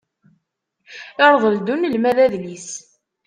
Irḍel-d unelmad adlis.